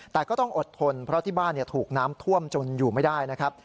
แต่ก็ต้องอดทนเพราะที่บ้านถูกน้ำท่วมจนอยู่ไม่ได้นะครับ